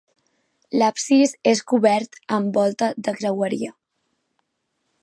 L'absis és cobert amb volta de creueria.